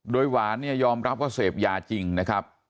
โดยหวานเนี่ยยอมรับว่าเสพยาจริงนะครับ